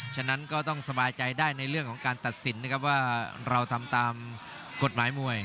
ฉะนั้นก็ต้องสบายใจได้ในเรื่องของการตัดสินนะครับว่าเราทำตามกฎหมายมวย